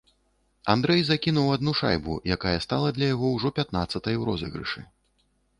Андрэй закінуў адну шайбу, якая стала для ўжо пятнаццатай у розыгрышы.